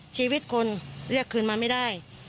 ชีวิตคนเรียกคืนมาไม่ได้